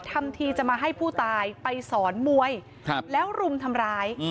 ทำทีจะมาให้ผู้ตายไปสอนมวยแล้วรุมทำร้าย